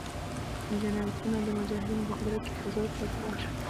جنایتونه د مجاهدینو په قدرت کې په زور تکرار شول.